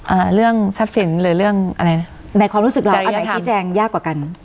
อ่าเรื่องทรัพย์สินหรือเรื่องอะไรในความรู้สึกเราอะไรชี้แจงยากกว่ากัน